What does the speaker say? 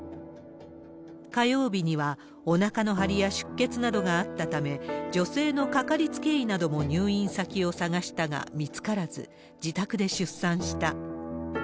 火曜日には、おなかの張りや出血などがあったため、女性の掛かりつけ医なども入院先を探したが見つからず、自宅で出産した。